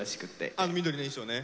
あの緑の衣装ね。